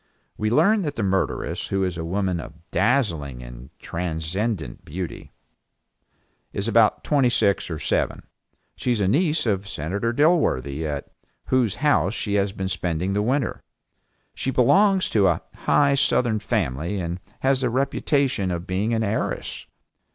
We learn that the murderess, who is a woman of dazzling and transcendent beauty and about twenty six or seven, is a niece of Senator Dilworthy at whose house she has been spending the winter. She belongs to a high Southern family, and has the reputation of being an heiress.